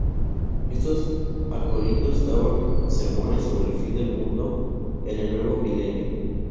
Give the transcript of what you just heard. Estos acólitos daban sermones sobre el fin del mundo en el nuevo milenio.